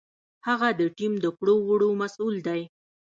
هغه د ټیم د کړو وړو مسؤل دی.